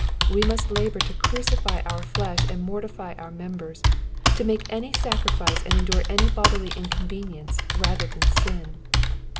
— We must labor to crucify our flesh and mortify our members, to make any sacrifice and endure any bodily inconvenience rather than sin.